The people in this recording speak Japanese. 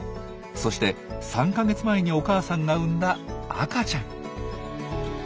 そして３か月前にお母さんが産んだ赤ちゃん。